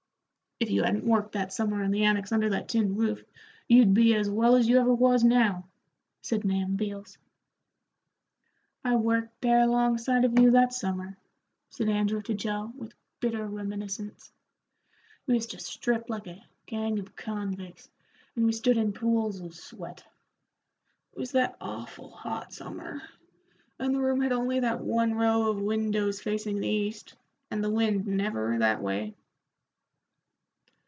"If you hadn't worked that summer in the annex under that tin roof, you'd be as well as you ever was now," said Nahum Beals. "I worked there 'longside of you that summer," said Andrew to Joe, with bitter reminiscence. "We used to strip like a gang of convicts, and we stood in pools of sweat. It was that awful hot summer, and the room had only that one row of windows facing the east, and the wind never that way."